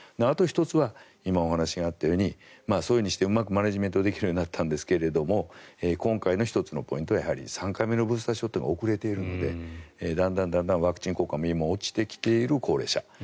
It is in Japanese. もう１つは今、お話があったようにそういうふうにしてうまくマネジメントできるようになったんですが今回の１つのポイントは３回目のブースターショットが遅れているのでだんだんワクチン効果も落ちてきている高齢者。